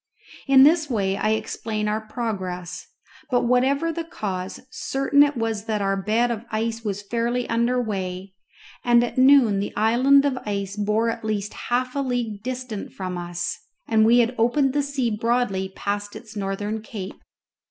In this way I explain our progress; but whatever the cause, certain it was that our bed of ice was fairly under weigh, and at noon the island of ice bore at least half a league distant from us, and we had opened the sea broadly past its northern cape.